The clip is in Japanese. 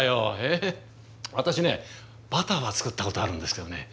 私ねバターは作ったことあるんですけどね